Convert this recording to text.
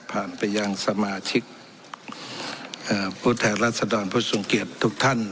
ไปยังสมาชิกผู้แทนรัศดรผู้ทรงเกียจทุกท่าน